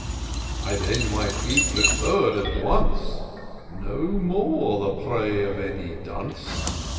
I then might be preferr'd at once ; No more the prey of any dunce.